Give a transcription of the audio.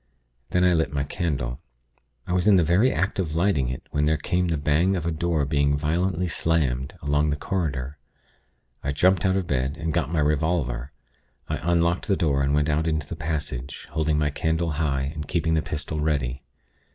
Then I lit my candle. I was in the very act of lighting it when there came the bang of a door being violently slammed, along the corridor. I jumped out of bed, and got my revolver. I unlocked the door, and went out into the passage, holding my candle high, and keeping the pistol ready.